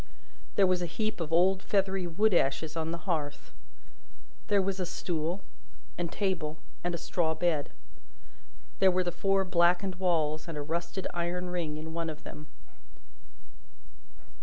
There was a heap of old feathery wood ashes on the hearth. There was a stool, and table, and a straw bed. There were the four blackened walls, and a rusted iron ring in one of them.